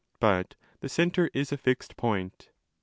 But the centre is a fixed point.